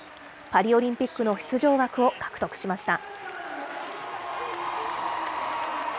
パリオリンピックの出場枠を獲得しました。